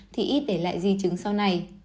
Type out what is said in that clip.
thì ít để lại di chứng sau này